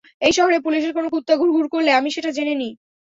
এই শহরে পুলিশের কোনো কুত্তা ঘুরঘুর করলে, আমি সেটা জেনে যাই।